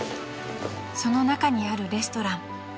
［その中にあるレストラン］